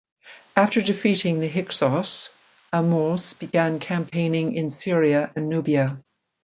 After defeating the Hyksos, Ahmose began campaigning in Syria and Nubia.